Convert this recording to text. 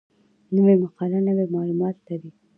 نوې مقاله نوي معلومات لري